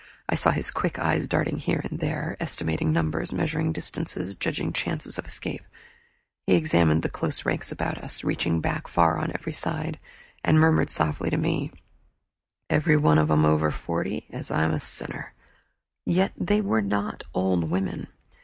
I saw his quick eyes darting here and there, estimating numbers, measuring distances, judging chances of escape. He examined the close ranks about us, reaching back far on every side, and murmured softly to me, "Every one of 'em over forty as I'm a sinner." Yet they were not old women.